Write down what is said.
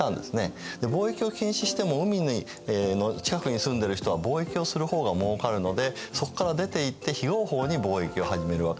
貿易を禁止しても海の近くに住んでいる人は貿易をする方がもうかるのでそこから出ていって非合法に貿易を始めるわけです。